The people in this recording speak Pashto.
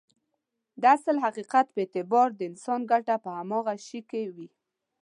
د اصل حقيقت په اعتبار د انسان ګټه په هماغه شي کې وي.